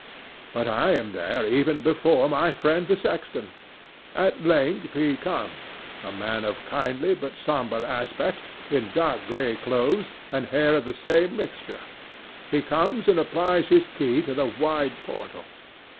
But I am there even before my friend the sexton. At length he comes—a man of kindly but sombre aspect, in dark gray clothes, and hair of the same mixture. He comes and applies his key to the wide portal.